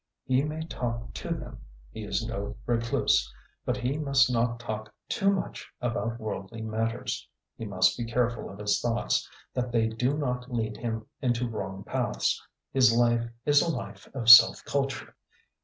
He may talk to them he is no recluse; but he must not talk too much about worldly matters. He must be careful of his thoughts, that they do not lead him into wrong paths. His life is a life of self culture.